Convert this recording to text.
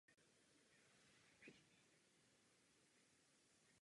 Doprovodné služby jsou poskytovány v koňských stanicích.